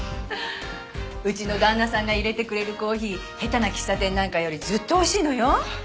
うちの旦那さんが淹れてくれるコーヒーヘタな喫茶店なんかよりずっとおいしいのよ。